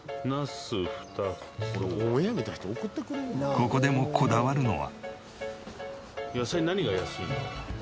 ここでもこだわるのは。